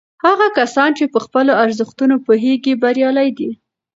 هغه کسان چې په خپلو ارزښتونو پوهیږي بریالي دي.